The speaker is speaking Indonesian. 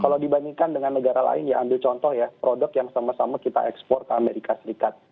kalau dibandingkan dengan negara lain ya ambil contoh ya produk yang sama sama kita ekspor ke amerika serikat